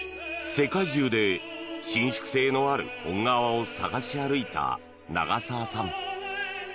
世界中で伸縮性のある本革を探し歩いた長澤さん。